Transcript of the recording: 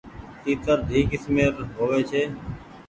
تيترۮي ڪسمير هووي ڇي۔